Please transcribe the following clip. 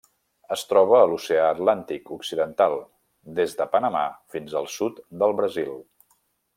Es troba a l'Oceà Atlàntic occidental: des de Panamà fins al sud del Brasil.